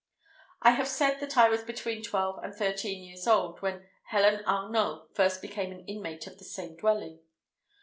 I have said that I was between twelve and thirteen years old when Helen Arnault first became an inmate of the same dwelling.